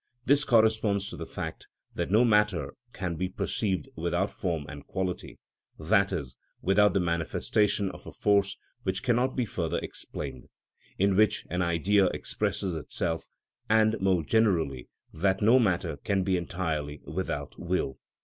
This corresponds to the fact that no matter can be perceived without form and quality, i.e., without the manifestation of a force which cannot be further explained, in which an Idea expresses itself, and, more generally, that no matter can be entirely without will.